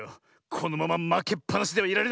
このまままけっぱなしではいられない。